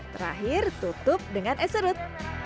terakhir tutup dengan es serut